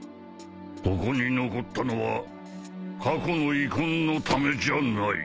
ここに残ったのは過去の遺恨のためじゃない。